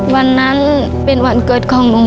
วันนั้นเป็นวันเกิดของหนู